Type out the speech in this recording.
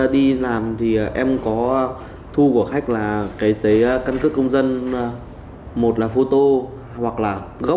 đi làm thì em có thu của khách là cái cân cước công dân một là phô tô hoặc là gốc